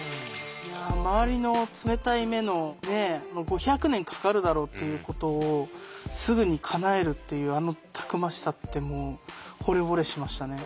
周りの冷たい目の５００年かかるだろうっていうことをすぐにかなえるっていうあのたくましさってもうほれぼれしましたね。